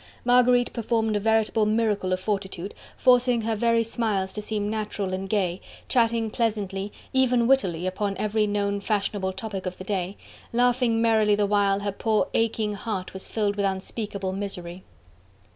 Marguerite performed a veritable miracle of fortitude, forcing her very smiles to seem natural and gay, chatting pleasantly, even wittily, upon every known fashionable topic of the day, laughing merrily the while her poor, aching heart was filled with unspeakable misery.